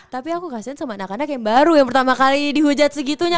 tapi aku kasian sama anak anak yang baru yang pertama kali dihujat segitunya